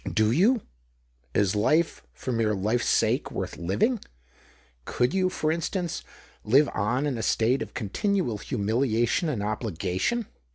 " Do you ? Is life, for mere life's sake, worth living ? Could you, for instance, live on in a state of continual humiliation and obligation